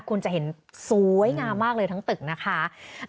คุณจะเห็นสวยงามมากเลยทั้งตึกนะคะ